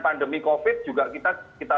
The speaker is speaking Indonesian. pandemi covid juga kita